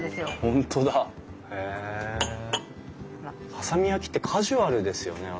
波佐見焼ってカジュアルですよね。